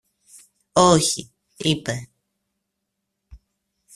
Όχι! είπε.